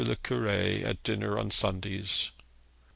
le Cure at dinner on Sundays.